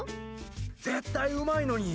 絶対うまいのに。